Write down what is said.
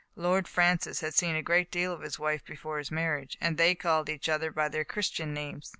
Lord Francis had seen a great deal of his wife before his marriage, and they called each other by their Christian names.